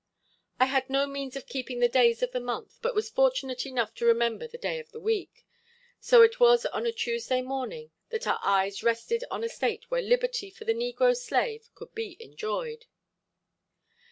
I had no means of keeping the days of the month, but was fortunate enough to remember the day of the week. So it was on a Tuesday morning that our eyes rested on a State where liberty for the negro slave could be enjoyed.